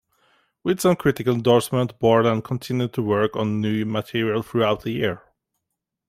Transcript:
With some critical endorsement Borland continued to work on new material throughout the year.